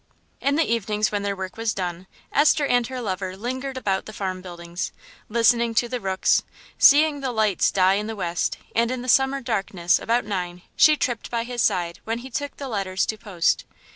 In the evenings when their work was done Esther and her lover lingered about the farm buildings, listening to the rooks, seeing the lights die in the west; and in the summer darkness about nine she tripped by his side when he took the letters to post.